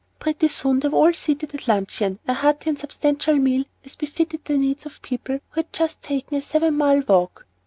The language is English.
Pretty soon they were all seated at luncheon, a hearty and substantial meal, as befitted the needs of people who had just taken a seven mile walk.